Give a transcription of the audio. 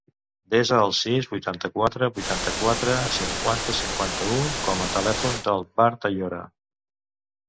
Desa el sis, vuitanta-quatre, vuitanta-quatre, cinquanta, cinquanta-u com a telèfon del Badr Ayora.